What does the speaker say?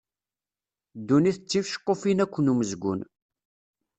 Dunnit d ticeqqufin akk n umezgun.